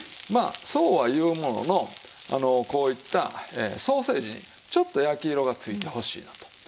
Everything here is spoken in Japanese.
まあそうは言うもののこういったソーセージにちょっと焼き色がついてほしいなと。